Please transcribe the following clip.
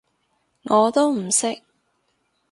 我都唔識